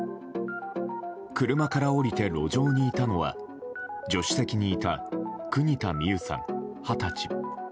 車から降りて路上にいたのは助手席にいた国田美佑さん、二十歳。